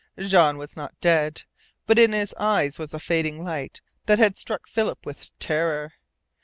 Jean was not dead. But in his eyes was a fading light that struck Philip with terror.